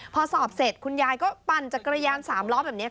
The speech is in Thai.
พอสอบเสร็จคุณยายก็ปั่นจักรยาน๓ล้อแบบนี้